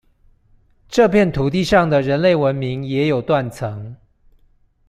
這片土地上的人類文明也有「斷層」